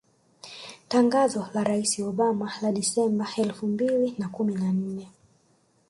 Tangazo la Rais Obama la Disemba elfu mbili na kumi na nne